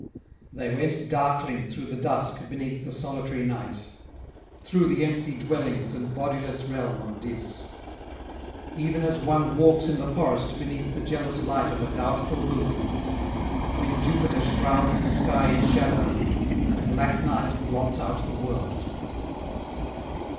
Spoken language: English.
[268 303]They went darkling through the dusk beneath the solitary night, through the empty dwellings and bodiless realm of Dis; even as one walks in the forest beneath the jealous light of a doubtful moon, when Jupiter shrouds the sky in shadow and black night blots out the world.